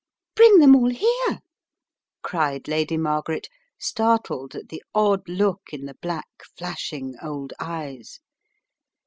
"Bring them all here?" cried Lady Margaret, startled at the odd look in the black, flashing old eyes.